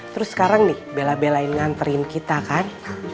terus sekarang nih bela belain nganterin kita kan